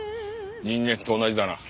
人間と同じだな。